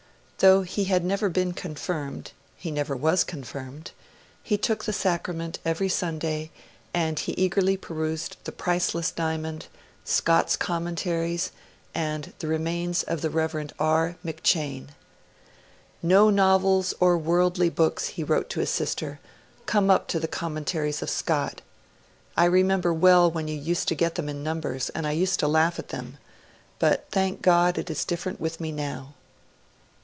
Though he had never been confirmed he never was confirmed he took the sacrament every Sunday; and he eagerly perused the Priceless Diamond, Scott's Commentaries, and The Remains of the Rev. R. McCheyne. 'No novels or worldly books,' he wrote to his sister, 'come up to the Commentaries of Scott.... I, remember well when you used to get them in numbers, and I used to laugh at them; but, thank God, it is different with me now.